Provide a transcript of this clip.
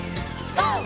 ＧＯ！